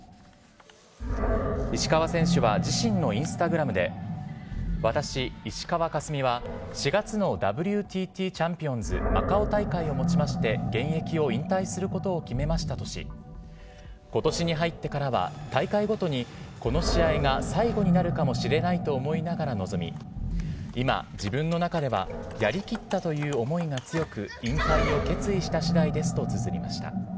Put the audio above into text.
石川選手は自身のインスタグラムで、私、石川佳純は、４月のＷＴＴチャンピオンズ・マカオ大会をもちまして、現役を引退することを決めましたとし、ことしに入ってからは大会ごとにこの試合が最後になるかもしれないと思いながら臨み、今、自分の中ではやりきったという思いが強く、引退を決意したしだいですとつづりました。